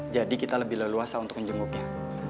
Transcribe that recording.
jadi kita lebih leluasa untuk njemboknya